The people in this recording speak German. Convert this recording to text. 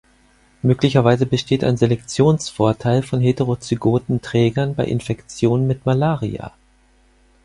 Möglicherweise besteht ein Selektionsvorteil von heterozygoten Trägern bei Infektionen mit Malaria.